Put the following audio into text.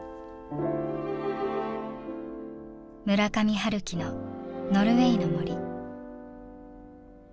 村上春樹の「ノルウェイの森」。